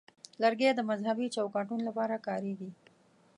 لرګی د مذهبي چوکاټونو لپاره کارېږي.